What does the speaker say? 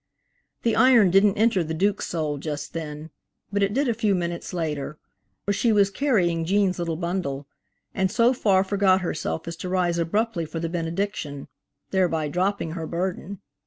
The iron didn't enter the Duke's soul just then, but it did a few minutes later; for she was carrying Gene's little bundle, and so far forgot herself as to rise abruptly for the benediction, thereby dropping her burden.